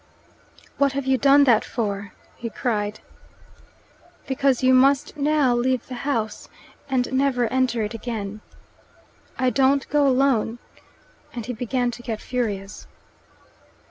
"What have you done that for?" he cried. "Because you must now leave the house, and never enter it again." "I don't go alone," and he began to get furious.